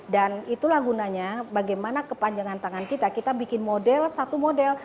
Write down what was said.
dan itulah gunanya bagaimana kepanjangan tangan kita kita bikin model satu model